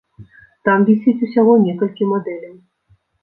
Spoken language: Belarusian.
Там вісіць усяго некалькі мадэляў.